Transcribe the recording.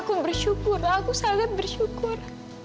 aku bersyukur aku sangat bersyukur